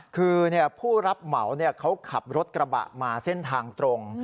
คือผู้รับเหมาเขาขับรถกระบะมาเส้นทางตรง